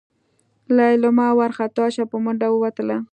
لېلما وارخطا شوه په منډه ووتله.